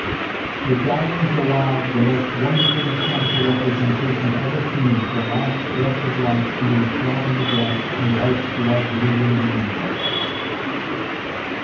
"The Dying Zouave the most wonderful mechanical representation ever seen of the last breath of life being shot in the breast and life's blood leaving the wound."